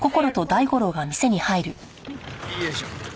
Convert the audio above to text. よいしょ。